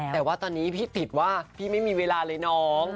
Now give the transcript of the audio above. แต่ว่าตอนนี้พี่ติดว่าพี่ไม่มีเวลาเลยน้อง